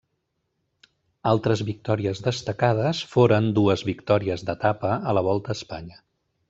Altres victòries destacades foren dues victòries d'etapa a la Volta a Espanya.